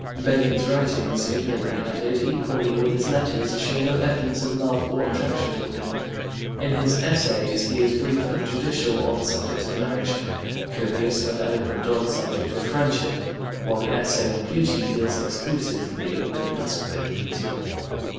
Bacon's writings, it may be added, equally with his letters, show no evidence of love or attraction to women; in his Essays he is brief and judicial on the subject of Marriage, copious and eloquent on the subject of Friendship, while the essay on Beauty deals exclusively with masculine beauty.